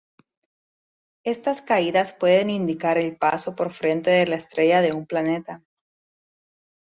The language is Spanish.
Estas caídas pueden indicar el paso por frente de la estrella de un planeta.